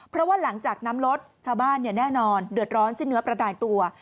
เพราะว่าหลังจากน้ำลดชาวบ้านแน่นอนเดือดร้อนสิ้นเนื้อประดาตัว